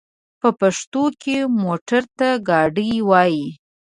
په پښتو کې موټر ته ګاډی وايي.